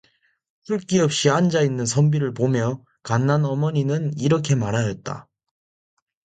풀기 없이 앉아 있는 선비를 보며 간난 어머니는 이렇게 말하였다.